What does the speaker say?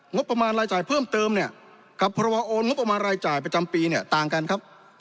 งบประมาณรายจ่ายเพิ่มเติมกับภรรวงงบประมาณรายจ่ายประจำปีต่างกันครับ